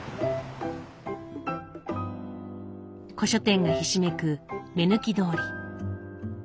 古書店がひしめく目抜き通り。